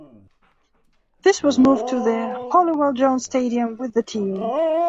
This was moved to the Halliwell Jones Stadium with the team.